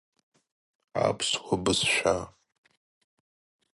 красоты